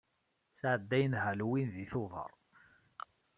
Sɛeddayen Halloween de Tubeṛ.